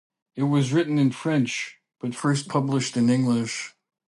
It was written in French, but first published in English.